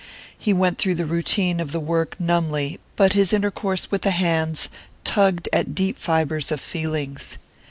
He went through the routine of the work numbly; but his intercourse with the hands tugged at deep fibres of feelings.